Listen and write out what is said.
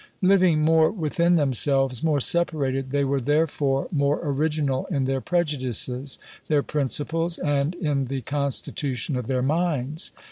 Living more within themselves, more separated, they were therefore more original in their prejudices, their principles, and in the constitution of their minds.